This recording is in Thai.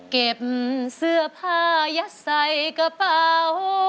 เก็บเสื้อผ้ายัดใส่กระเป๋า